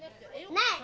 ない。